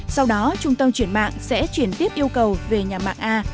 sau đó trung tâm chuyển mạng sẽ chuyển tiếp yêu cầu về nhà mạng a